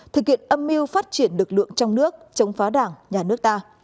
thực hiện âm mưu phát triển lực lượng trong nước chống phá đảng nhà nước ta